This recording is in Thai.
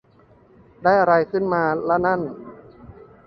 ได้อะไรขึ้นมาละนั่น